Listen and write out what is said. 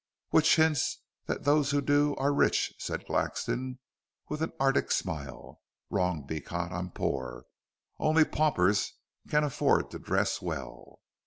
"Which hints that those who do, are rich," said Grexon, with an arctic smile. "Wrong, Beecot. I'm poor. Only paupers can afford to dress well."